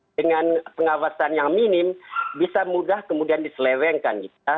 dengan pengawasan yang minim bisa mudah kemudian diselewengkan kita